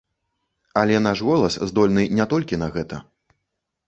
Але наш голас здольны не толькі на гэта.